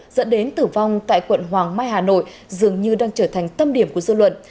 dẫn đến tử vong tại quận hoàng mai hà nội dường như đang trở thành tâm điểm của dư luận